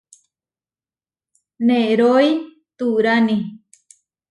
Nerói turáni.